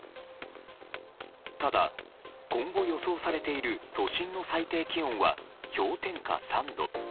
ただ、今後予想されている都心の最低気温は氷点下３度。